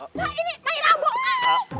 loh ini main rambo